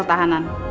bisa jangan kubisik